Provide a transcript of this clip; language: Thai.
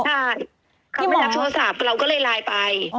ค่ะเขาไม่ได้รับโทรศัพท์เราก็เลยไลน์ไปอ๋อ